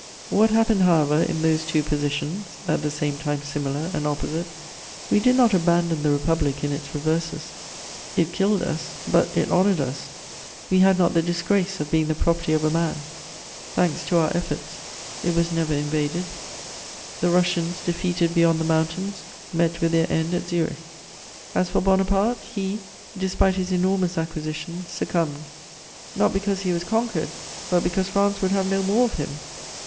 What happened, however, in those two positions, at the same time similar and opposite? We did not abandon the Republic in its reverses; it killed us, but it honoured us; we had not the disgrace of being the property of a man; thanks to our efforts, it was never invaded; the Russians, defeated beyond the mountains, met with their end at Zurich. As for Bonaparte, he, despite his enormous acquisitions, succumbed, not because he was conquered, but because France would have no more of him.